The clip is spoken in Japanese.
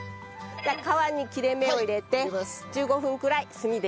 皮に切れ目を入れて１５分くらい炭で焼いてください。